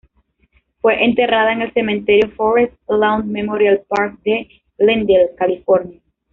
Fue enterrada en el cementerio Forest Lawn Memorial Park de Glendale, California.